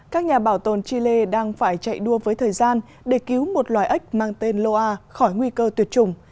các nhà bảo tồn chile đang phải chạy đua với thời gian để cứu một loài ếch mang tên loa khỏi nguy cơ tuyệt chủng